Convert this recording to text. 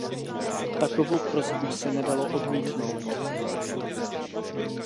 Takovou prosbu se nedalo odmítnout.